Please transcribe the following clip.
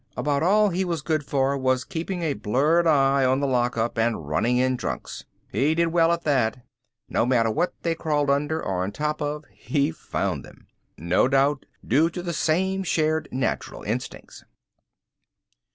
About all he was good for was keeping a blurred eye on the lockup and running in drunks. He did well at that. No matter what they crawled under or on top of, he found them. No doubt due to the same shared natural instincts.